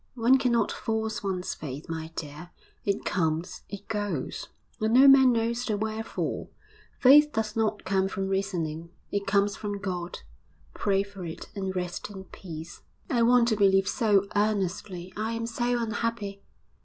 'One cannot force one's faith, my dear. It comes, it goes, and no man knows the wherefore. Faith does not come from reasoning; it comes from God.... Pray for it and rest in peace.' 'I want to believe so earnestly. I am so unhappy!'